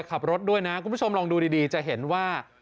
ขับรถด้วยนะคุณผู้ชมลองดูดีจะเห็นว่า